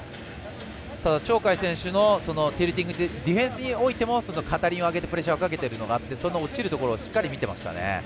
ただ鳥海選手のティルティングはディフェンスにおいても片輪をあげてプレッシャーかけてその落ちるところをしっかり見てましたね。